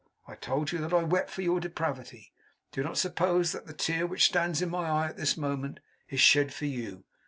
I told you that I wept for your depravity. Do not suppose that the tear which stands in my eye at this moment, is shed for you.